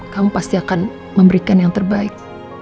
kamu pasti akan memberikan yang terbaik